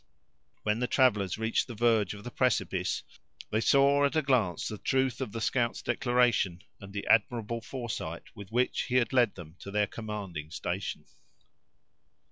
When the travelers reached the verge of the precipices they saw, at a glance, the truth of the scout's declaration, and the admirable foresight with which he had led them to their commanding station.